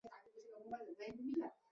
陈与义人。